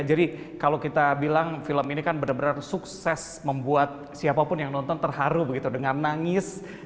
jadi kalau kita bilang film ini kan benar benar sukses membuat siapapun yang nonton terharu begitu dengan nangis